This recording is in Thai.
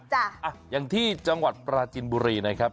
อ่ะอย่างที่จังหวัดปราจินบุรีนะครับ